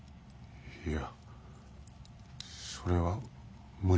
いやそれは無理で。